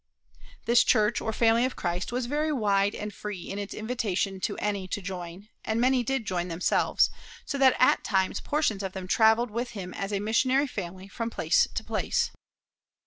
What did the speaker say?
This church or family of Christ was very wide and free in its invitation to any to join, and many did join themselves, so that at times portions of them traveled with him as a missionary family from place to place.